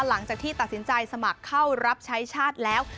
หลังจากที่ตัดสินใจสมัครเข้ารับใช้ชาติแล้ว